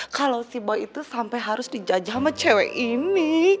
kalau si boi itu sampai harus dijajah sama cewek ini